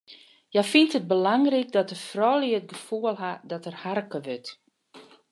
Hja fynt it belangryk dat de froulju it gefoel hawwe dat der harke wurdt.